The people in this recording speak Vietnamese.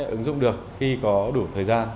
ứng dụng được khi có đủ thời gian